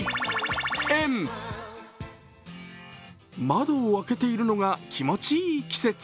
窓を開けているのが気持ちいい季節。